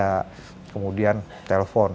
nah kemudian telepon